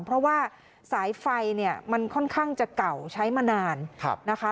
เพราะว่าสายไฟเนี่ยมันค่อนข้างจะเก่าใช้มานานนะคะ